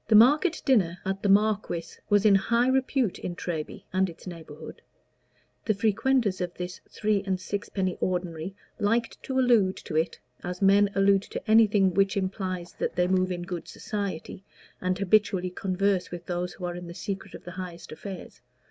The market dinner at "the Marquis" was in high repute in Treby and its neighborhood. The frequenters of this three and sixpenny ordinary liked to allude to it, as men allude to anything which implies that they move in good society, and habitually converse with those who are in the secret of the highest affairs.